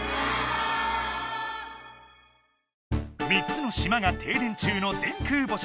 ３つの島がてい電中の電空星。